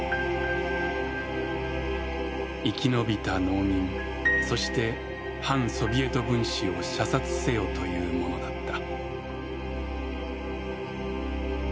生き延びた農民そして「反ソビエト分子」を射殺せよというものだった。